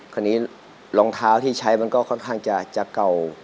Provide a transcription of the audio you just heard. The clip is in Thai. คราวนี้รองเท้าที่ใช้มันก็ค่อนข้างจะเก่า